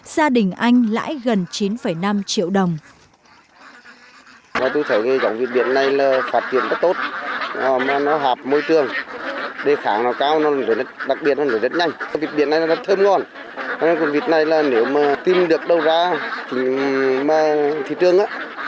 gia đình anh lãi gần chín năm triệu đồng